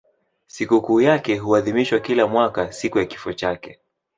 Sikukuu yake huadhimishwa kila mwaka siku ya kifo chake.